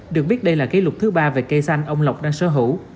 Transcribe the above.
được biết đây là kỷ lục thứ ba về cây xanh ông lộc đang sở hữu